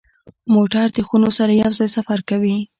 موټر د خونو سره یو ځای سفر کوي.